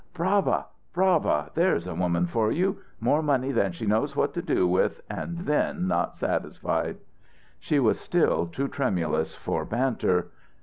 "Brava! Brava! There's a woman for you. More money than she knows what to do with, and then not satisfied!" She was still too tremulous for banter.